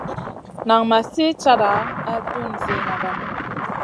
Nan ma sli cata a tun ziyna vanu.